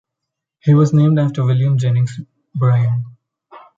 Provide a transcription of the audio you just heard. He was named after William Jennings Bryan.